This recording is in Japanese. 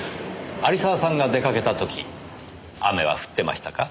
有沢さんが出かけた時雨は降ってましたか？